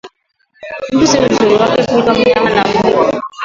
Mtu si uzuri kwake, kuitwa nyama wa mwitu